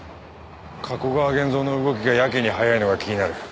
加古川源蔵の動きがやけに早いのが気になる。